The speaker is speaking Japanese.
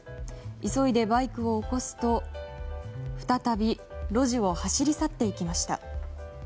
急いでバイクを起こすと再び、路地を走り去っていきました。